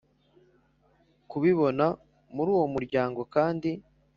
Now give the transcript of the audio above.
kukibona muri uwo muryango kandi